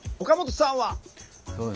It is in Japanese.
岡本さんは？